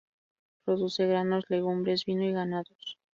Produce granos, legumbres, vino y ganados.